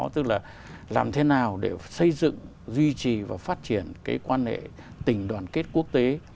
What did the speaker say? tức là làm thế nào để xây dựng duy trì và phát triển cái quan hệ tình đoàn kết quốc tế